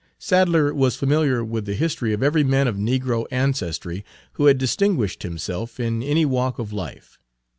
Sadler was familiar with the history of every man of negro ancestry who had distinguished himself in any walk of life.